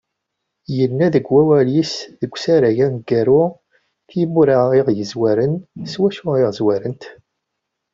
Yenna- deg wawal-is deg usarag-is aneggaru: Timura i aɣ-yezwaren, s wacu i aɣ-zwarent?